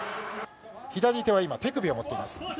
左手は今、手首を持っています。